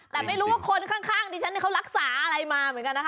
แต่ไม่รู้ว่าคนข้างดิฉันเขารักษาอะไรมาเหมือนกันนะคะ